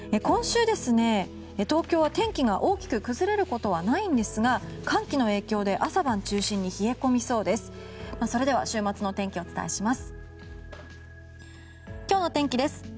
今週、東京は天気が大きく崩れることはないんですが寒気の影響で朝晩中心に冷え込みそうです。